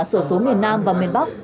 sổ số miền nam và miền bắc